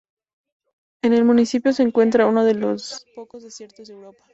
En el municipio se encuentra uno de los pocos desiertos de Europa.